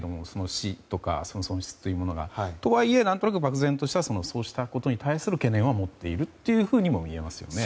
死や損失というものがとはいえ、何となく漠然としたそうしたことに対する懸念は持っているというふうにも見えますよね。